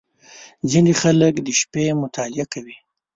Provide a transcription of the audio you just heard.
• ځینې خلک د شپې مطالعه کوي.